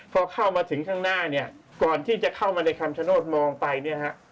พอเข้ามาถึงข้างหน้าเนี่ยก่อนที่จะเข้ามาในคำชโนธมองไปเนี่ยฮะ